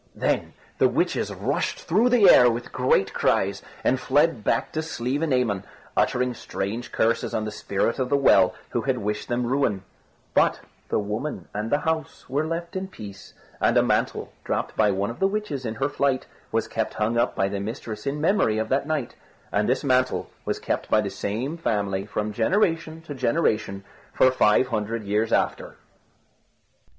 Then the witches rushed through the air with great cries, and fled back to Slievenamon, uttering strange curses on the Spirit of the Well, who had wished their ruin; but the woman and the house were left in peace, and a mantle dropped by one of the witches in her flight was kept hung up by the mistress in memory of that night; and this mantle was kept by the same family from generation to generation for five hundred years after.